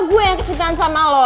gue yang kesukaan sama lo